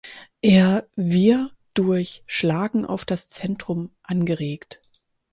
Er wir durch Schlagen auf das Zentrum angeregt.